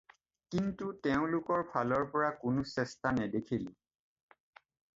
কিন্তু তেওঁলোকৰ ফালৰ পৰা কোনো চেষ্টা নেদেখিলোঁ।